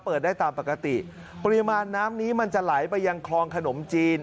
เปิดได้ตามปกติปริมาณน้ำนี้มันจะไหลไปยังคลองขนมจีน